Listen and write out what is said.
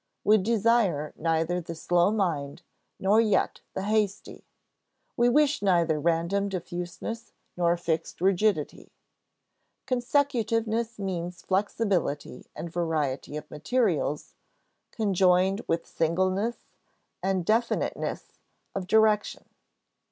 We desire neither the slow mind nor yet the hasty. We wish neither random diffuseness nor fixed rigidity. Consecutiveness means flexibility and variety of materials, conjoined with singleness and definiteness of direction.